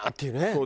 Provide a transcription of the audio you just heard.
そう。